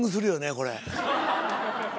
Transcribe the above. これ。